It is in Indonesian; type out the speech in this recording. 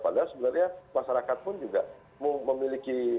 padahal sebenarnya masyarakat pun juga memiliki